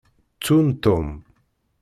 Ttun Tom.